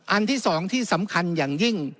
อันที่๒ที่สำคัญอย่างยิ่ง